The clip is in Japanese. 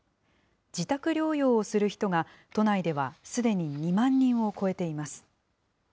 自宅療養をする人が都内ではすでに２万人を超えています。